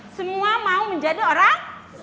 semua mau menjadi orang